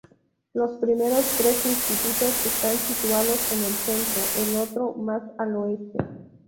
Los primeros tres institutos están situados en el centro, el otro más al oeste.